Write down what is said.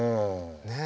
ねえ。